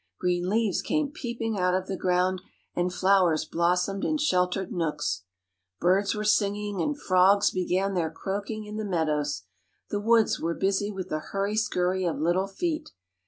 Green leaves came peeping out of the ground, and flowers blossomed in sheltered nooks. Birds were singing, and frogs began their croaking in the meadows. The woods were busy with the hurry skurry of little feet.